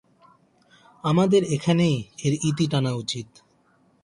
আমাদের এখানেই এর ইতি টানা উচিত।